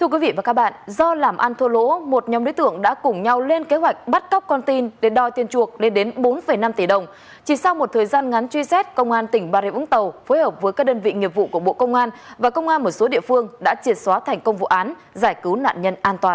các bạn hãy đăng ký kênh để ủng hộ kênh của chúng mình nhé